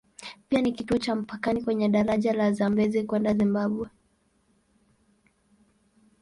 Pia ni kituo cha mpakani kwenye daraja la Zambezi kwenda Zimbabwe.